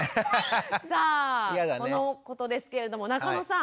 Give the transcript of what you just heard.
さあこのことですけれども中野さん。